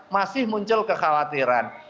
masih muncul kekhawatiran